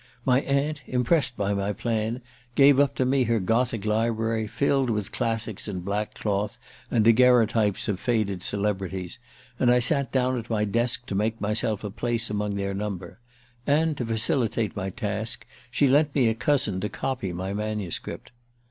My aunt, impressed by my plan, gave up to me her Gothic library, filled with classics in black cloth and daguerrotypes of faded celebrities; and I sat down at my desk to make myself a place among their number. And to facilitate my task she lent me a cousin to copy my manuscript.